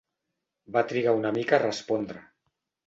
Va trigar una mica a respondre.